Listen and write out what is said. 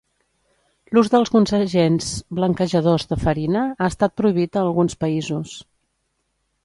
L'ús d'alguns agents blanquejadors de farina ha estat prohibit a alguns països.